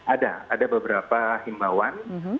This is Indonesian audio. ada ada beberapa himbauan